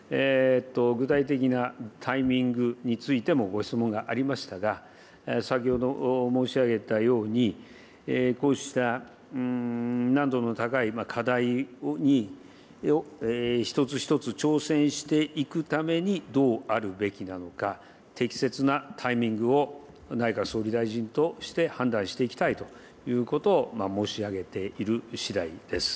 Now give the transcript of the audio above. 具体的なタイミングについてもご質問がありましたが、先ほど申し上げたように、こうした難度の高い課題に、一つ一つ挑戦していくためにどうあるべきなのか、適切なタイミングを内閣総理大臣として判断していきたいということを申し上げているしだいです。